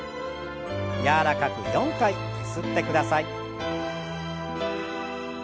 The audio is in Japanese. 柔らかく４回ゆすってください。